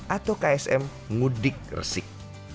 atau ksm ngudik resik